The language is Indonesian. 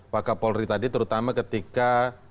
pak kapolri tadi terutama ketika